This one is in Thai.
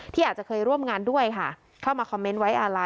ที่อาจจะเคยร่วมงานด้วยค่ะเข้ามาคอมเมนต์ไว้อาลัย